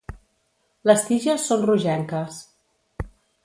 Les tiges són rogenques.